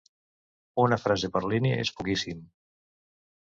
Una frase per línia és poquíssim.